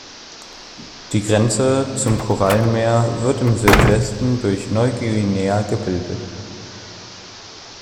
Die Grenze zum Korallenmeer wird im Südwesten durch Neuguinea gebildet.